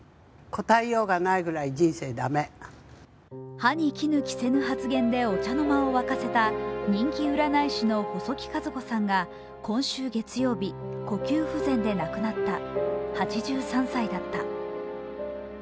歯に衣着せぬ発言でお茶の間を沸かせた人気占い師の細木数子さんが今週月曜日、呼吸不全で亡くなった８３歳だった。